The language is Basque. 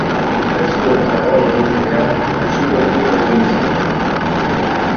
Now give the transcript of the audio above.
Ustezko arau-hauslea atxilotu egin zuten.